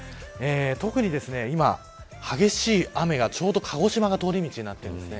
特に今、激しい雨がちょうど鹿児島が通り道になっています。